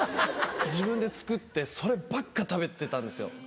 自分で作ってそればっか食べてたんですよ。